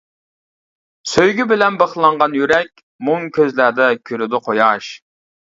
سۆيگۈ بىلەن بىخلانغان يۈرەك، مۇڭ كۆزلەردە كۈلىدۇ قۇياش.